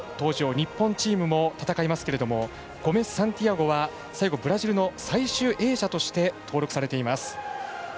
日本チームも戦いますけれどもゴメスサンティアゴはブラジルの最終泳者として登録されています。